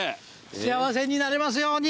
幸せになれますように。